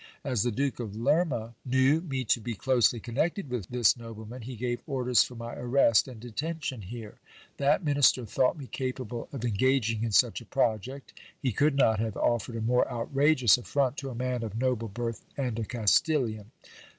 As the Duke of Lerma knew mi to be closely connected with this nobleman, he gave orders for my arrest and detention here. That minister thought me capable of engaging in such a project — he could not have offered a more outrageous affront to a man of noble bi th and a Castilian.